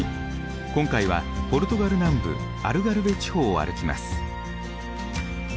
今回はポルトガル南部アルガルヴェ地方を歩きます。